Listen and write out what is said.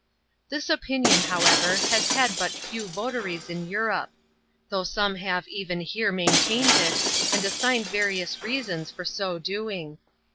This opinion, however, has had but few votaries in Europe: though some have even here maintained it, and assigned various reasons for so doing.